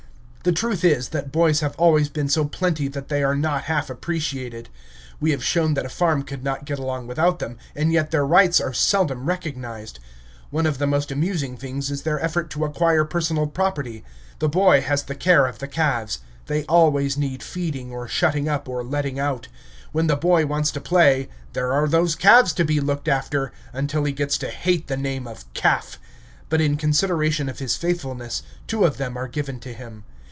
The truth is, that boys have always been so plenty that they are not half appreciated. We have shown that a farm could not get along without them, and yet their rights are seldom recognized. One of the most amusing things is their effort to acquire personal property. The boy has the care of the calves; they always need feeding, or shutting up, or letting out; when the boy wants to play, there are those calves to be looked after, until he gets to hate the name of calf. But in consideration of his faithfulness, two of them are given to him.